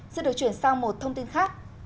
sẽ được chuyển sang một thông tin khác